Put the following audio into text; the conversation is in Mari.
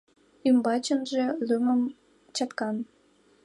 Ӱмбачынже — лумым чаткан.